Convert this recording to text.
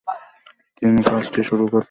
তিনি কাজটি শুরু করতে পারেন নি।